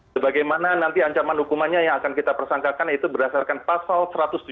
sebagaimana nanti ancaman hukumannya yang akan kita persangkakan itu berdasarkan pasal satu ratus tujuh puluh